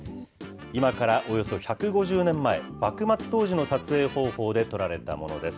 今からおよそ１５０年前、幕末当時の撮影方法で撮られたものです。